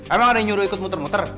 emang ada yang nyuruh ikut muter muter